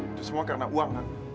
itu semua karena uang